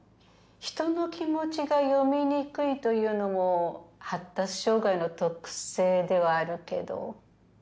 人の気持ちが読みにくいというのも発達障害の特性ではあるけど